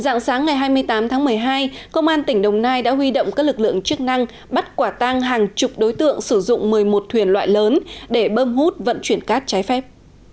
dạng sáng ngày hai mươi tám tháng một mươi hai công an tỉnh đồng nai đã huy động các lực lượng chức năng bắt quả tang hàng chục đối tượng sử dụng một mươi một thuyền loại lớn để bơm hút vận chuyển cát trái phép